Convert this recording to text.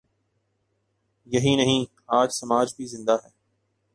یہی نہیں، آج سماج بھی زندہ ہے۔